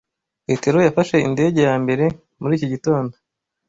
Petero yafashe indege ya mbere muri iki gitondo.